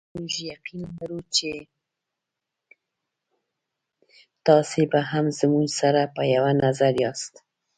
موږ یقین لرو چې تاسې به هم زموږ سره په یوه نظر یاست.